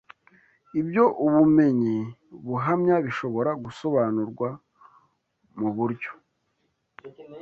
Ibyo ubumenyi buhamya bishobora gusobanurwa mu buryo